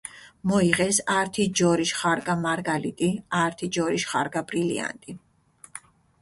მოიღეს ართი ჯორიშ ხარგა მარგალიტი, ართი ჯორიშ ხარგა ბრილიანტი.